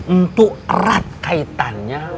untuk erat kaitannya